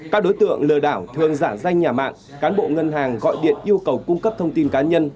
các đối tượng lừa đảo thường giả danh nhà mạng cán bộ ngân hàng gọi điện yêu cầu cung cấp thông tin cá nhân